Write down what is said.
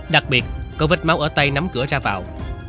đặc biệt có vết máu ở tay nắm cửa ra vào